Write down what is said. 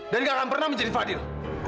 dan gak akan pernah menjadi fadil